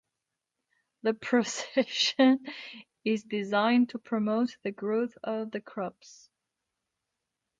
The procession is designed to promote the growth of the crops.